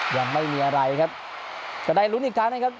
ยังไม่มีอะไรครับก็ได้ลุ้นอีกครั้งนะครับ